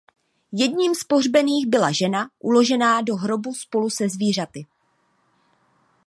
Jedním z pohřbených byla žena uložená do hrobu spolu se zvířaty.